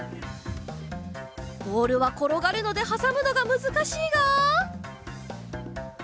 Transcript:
ボールはころがるのではさむのがむずかしいが。